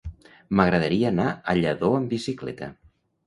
M'agradaria anar a Lladó amb bicicleta.